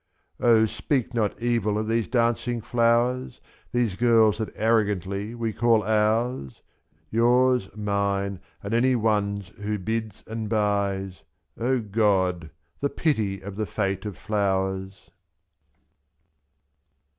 " O speak not evil of these dancing flowers, These girls that arrogantly we call ours — /s/ Yours, mine, and any one's who bids and buys— God ! the pity of the fate of flowers